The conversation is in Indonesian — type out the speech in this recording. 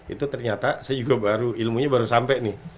itu ternyata saya juga baru ilmunya baru sampai nih